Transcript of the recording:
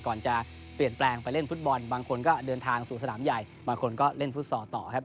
ก่อนจะเปลี่ยนแปลงไปเล่นฟุตบอลบางคนก็เดินทางสู่สนามใหญ่บางคนก็เล่นฟุตซอลต่อครับ